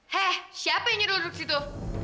heh siapa yang nyuruh duduk situ